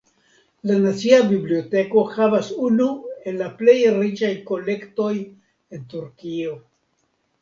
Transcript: La Nacia Biblioteko havas unu el la plej riĉaj kolektoj en Turkio.